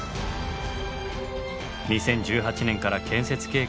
２０１８年から建設計画が始まり